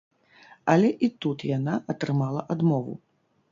Але і тут яна атрымала адмову.